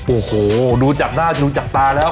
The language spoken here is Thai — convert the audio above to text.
โอ้โหดูจากหน้าดูจากตาแล้ว